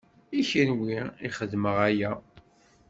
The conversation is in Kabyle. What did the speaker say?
I kenwi i xedmeɣ aya.